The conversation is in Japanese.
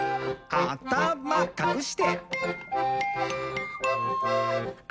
「あたまかくして！」